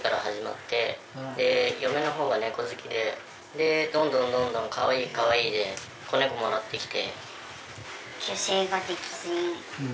原因はどんどんどんどんかわいいかわいいで子猫をもらってきて。